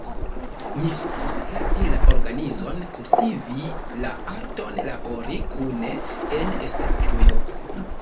Mi ŝatus helpi la organizon kultivi la arton labori kune en Esperantujo.